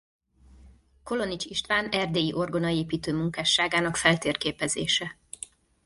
Kolonics István erdélyi orgonaépítő munkásságának feltérképezése.